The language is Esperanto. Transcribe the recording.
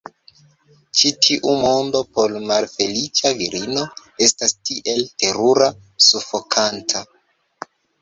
Ĉi tiu mondo por malfeliĉa virino estas tiel terura, sufokanta.